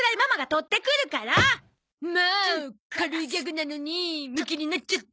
もう軽いギャグなのにムキになっちゃって。